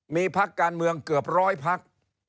มีพักการเมืองเกือบร้อยพัก